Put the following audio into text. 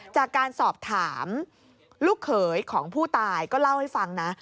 จากการสอบถามลูกเขยของผู้ตายก็เล่าให้ฟังนะ